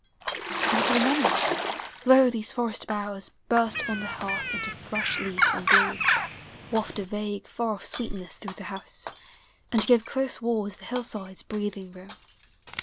Is it all memory? Lo, these forest boughs Hurst on the hearth into fresh leaf and bloom; Waft a vague, far oil' sweetness through the house, And give close walls the hillside's breathing room.